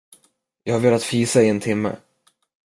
Jag har velat fisa i en timme.